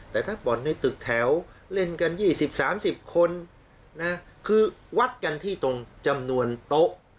แต่ถ้าบ่อนในตึกแถวเล่นกัน๒๐๓๐คนนะคือวัดกันที่ตรงจำนวนโต๊ะ